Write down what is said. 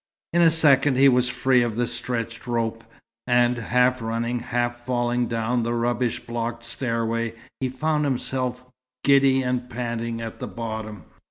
In a second he was free of the stretched rope, and, half running, half falling down the rubbish blocked stairway, he found himself, giddy and panting, at the bottom.